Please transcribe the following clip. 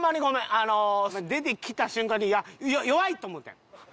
あの出てきた瞬間に弱いと思うてん。